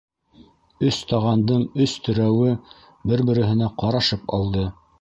«Өс таған»дың өс терәүе бер-береһенә ҡарашып алды.